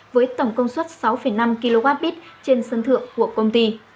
với tổng công suất sáu năm kwh trên sân thượng của công ty